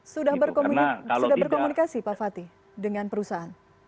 sudah berkomunikasi pak fatih dengan perusahaan